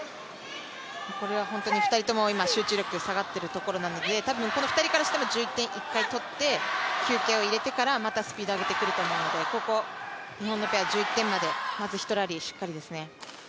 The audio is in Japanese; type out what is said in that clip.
これは本当に今２人とも集中力が下がっているところなので、たぶん、この２人からしても１１点一回取って、９点を入れてからまたスピードを上げてくると思うので、ここ日本のペア、１１点まで１ラリーしっかりですね。